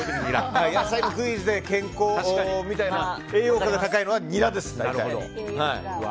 野菜のクイズで健康みたいな栄養価が高いのはニラです。